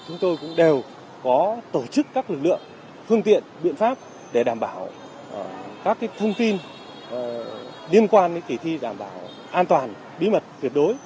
chúng tôi cũng đều có tổ chức các lực lượng phương tiện biện pháp để đảm bảo các thông tin liên quan đến kỳ thi đảm bảo an toàn bí mật tuyệt đối